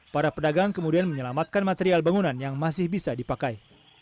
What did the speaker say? para pedagang kemudian menyelamatkan material bangunan yang masih bisa dipakai